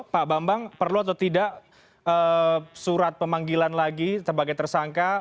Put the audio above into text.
pak bambang perlu atau tidak surat pemanggilan lagi sebagai tersangka